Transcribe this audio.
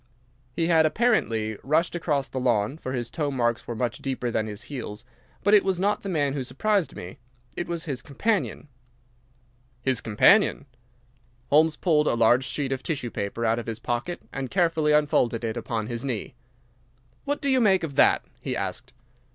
He had apparently rushed across the lawn, for his toe marks were much deeper than his heels. But it was not the man who surprised me. It was his companion." "His companion!" Holmes pulled a large sheet of tissue paper out of his pocket and carefully unfolded it upon his knee. "What do you make of that?" he asked.